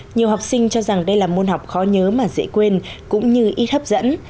nhiều học sinh cho rằng đây là môn học khó nhớ mà dễ quên cũng như ít hấp dẫn